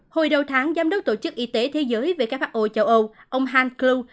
hồi đầu tháng giám đốc tổ chức y tế thế giới về các pháp ô châu âu ông hans klug